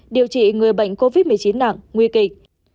điều trị người bệnh covid một mươi chín nặng nguy kịch